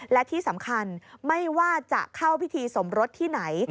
และที่สำคัญไม่ว่าจะเข้าพิธีสมรสที่ไหน